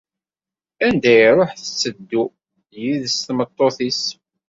Anda iruḥ tetteddu yid-s tmeṭṭut-is.